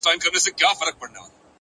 د زغم ځواک د ستونزو فشار کموي